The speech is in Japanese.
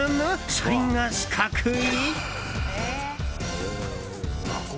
車輪が四角い？